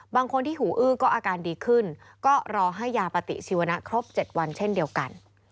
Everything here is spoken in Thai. บางคนที่หูอื้อก็อาการดีขึ้นก็รอให้ยาปฏิชีวนะครบ๗วันเช่นเดียวกัน